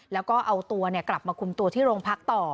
แล้วก็เอาตัวกลับมาคุมตัวที่โรงพักต่อ